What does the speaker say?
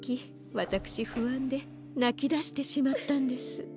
わたくしふあんでなきだしてしまったんです。